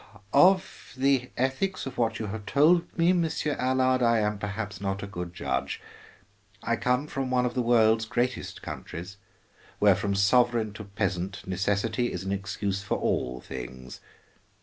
"Of the ethics of what you have told me, Monsieur Allard, I am perhaps not a good judge. I come from one of the world's greatest countries, where from sovereign to peasant necessity is an excuse for all things.